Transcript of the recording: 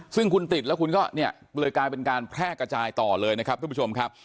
ซึ่งคุณติดแล้วคุณก็เนี่ยเลยกลายเป็นการแพร่กระจายต่อเลยนะครับทุกผู้ชมครับ